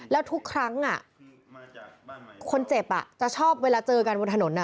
แล้วทุกครั้งคนเจ็บจะชอบเวลาเจอกันบนถนน